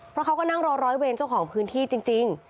เพราะเขาก็นั่งรอร้อยเวรเจ้าของพื้นที่จริง